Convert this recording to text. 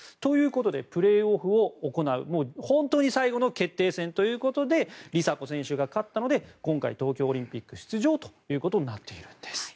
プレーオフを行う本当に最後の決定戦ということで梨紗子選手が勝ったので今回、東京オリンピック出場となっているんです。